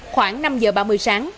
khoảng năm giờ ba mươi sáng